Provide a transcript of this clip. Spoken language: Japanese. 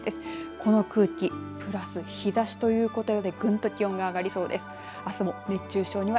この空気プラス日ざしということでぐんと気温が上がりそうです。